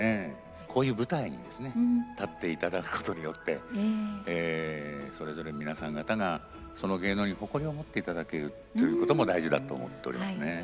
こういう舞台にですね立って頂くことによってそれぞれ皆さん方がその芸能に誇りを持って頂けるっていうことも大事だと思っておりますね。